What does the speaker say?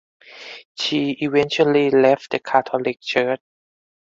She eventually left the Catholic Church.